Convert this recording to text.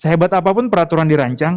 sehebat apapun peraturan dirancang